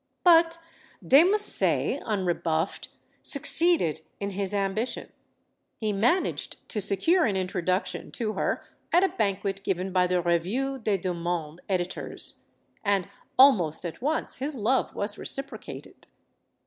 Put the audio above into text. But de Musset, unrebuffed, succeeded in his am GEORGE SAND 163 bition. He managed to secure an introduction to her at a banquet given by the Revue des Deux Mondes editors. And almost at once his love was reciprocated.